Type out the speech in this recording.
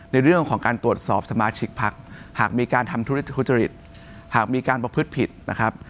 ในเรื่องของการตรวจสอบสมาชิกพักหากมีการทำธุรกิจทุจริตหากมีการประพฤติผิดนะครับ